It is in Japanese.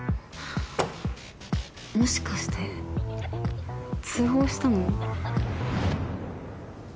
もしかして通報したのお姉さん？